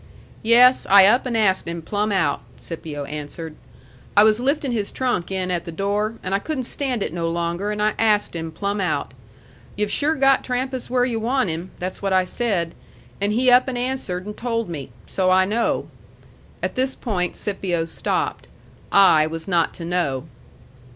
"Yes, I up and asked him plumb out," Scipio answered. "I was liftin' his trunk in at the door, and I couldn't stand it no longer, and I asked him plumb out. 'Yu've sure got Trampas where yu' want him.' That's what I said. And he up and answered and told me. So I know." At this point Scipio stopped; I was not to know.